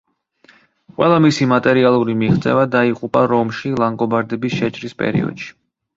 ყველა მისი მატერიალური მიღწევა დაიღუპა რომში ლანგობარდების შეჭრის პერიოდში.